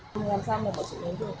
mình làm sao mà mọi người nhìn được